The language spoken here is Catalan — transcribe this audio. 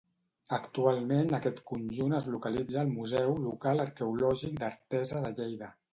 Actualment aquest conjunt es localitza al Museu Local Arqueològic d'Artesa de Lleida.